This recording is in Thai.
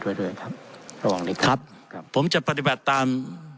ไว้ด้วยครับระวังนิดครับครับผมจะปฏิแบบตาม